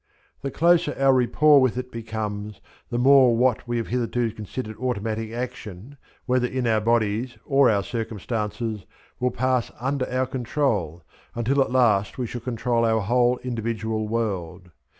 The closer our rapport with it becomes, the more what we have hitherto considered automatic action, whether in our bodies or our circumstances, will pass under our control, until at last we shall control our whole individual world.